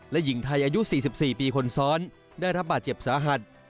และหญิงไทยอายุ๔๔ปีคนซ้อนได้รับบาดเจ็บสาหัส